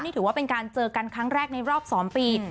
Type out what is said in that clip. นี่ถือว่าเป็นการเจอกันครั้งแรกในรอบ๒ปี